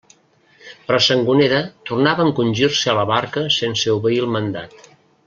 Però Sangonera tornava a encongir-se a la barca sense obeir el mandat.